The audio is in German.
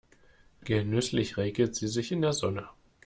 Genüsslich räkelt sie sich in der Sonne.